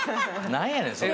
何やねんそれ。